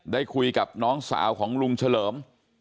ได้คุยกับน้องสาวของลุงเฉลิม